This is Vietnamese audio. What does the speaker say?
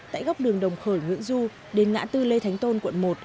tại góc đường đồng khởi nguyễn du đến ngã tư lê thánh tôn quận một